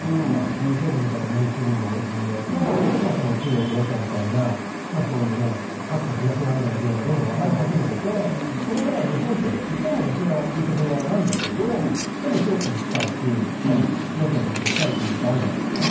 Ｇ７みたいな民主主義の陣営とその中国、ロシアみたいなそういう、かつての東側みたいな陣営がどんどん分かれ始めててそこの中で日本って一応西側、Ｇ７側なんだけどでも中国とも近いしロシアとも近い位置にずっとあるじゃないですか。